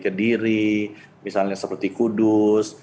kediri misalnya seperti kudus